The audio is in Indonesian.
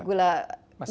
masuk ke sel